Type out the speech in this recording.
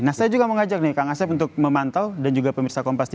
nah saya juga mau ajak nih kak ngasib untuk memantau dan juga pemirsa kompas tv ya